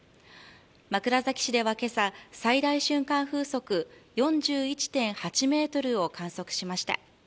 枕崎市では今朝、最大瞬間風速４１．８メートルを観測しました。